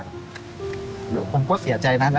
เดี๋ยวผมก็เสียใจนั้นนะ